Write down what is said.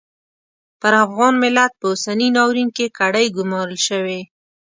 پر افغان ملت په اوسني ناورین کې کړۍ ګومارل شوې.